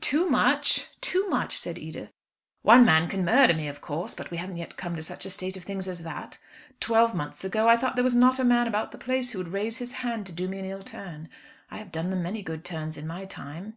"Too much! too much!" said Edith. "One man can murder me, of course. But we haven't yet come to such a state of things as that. Twelve months ago I thought there was not a man about the place who would raise his hand to do me an ill turn. I have done them many good turns in my time."